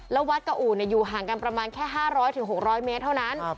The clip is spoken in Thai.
แล้ววัดกับอู่อยู่ห่างกันประมาณแค่๕๐๐๖๐๐เมตรเท่านั้น